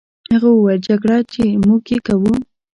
هغه وویل: جګړه، چې موږ یې کوو.